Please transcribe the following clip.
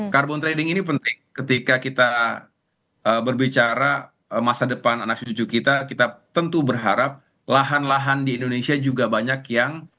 carbon trading ini penting ketika kita berbicara masa depan anak cucu kita kita tentu berharap lahan lahan di indonesia juga banyak yang